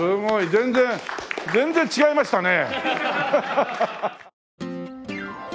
全然全然違いましたね。